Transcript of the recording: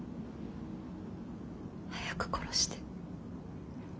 早く殺して。